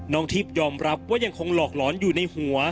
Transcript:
ทิพย์ยอมรับว่ายังคงหลอกหลอนอยู่ในหัว